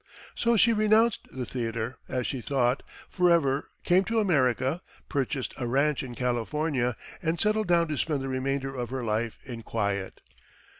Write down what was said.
So she renounced the theatre, as she thought, forever, came to America, purchased a ranch in California, and settled down to spend the remainder of her life in quiet.